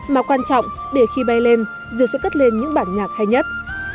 mà quan trọng để khi bay lên diều sẽ cất lên những bản nhạc hay nhất